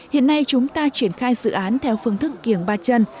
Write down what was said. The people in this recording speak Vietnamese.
hiện nay chúng ta triển khai dự án theo phương thức kiềng ba chân